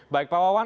baik pak wawan